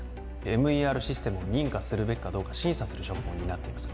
ＭＥＲシステムを認可するべきかどうか審査する職務を担っています